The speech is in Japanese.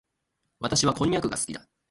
私はこんにゃくが好きだ。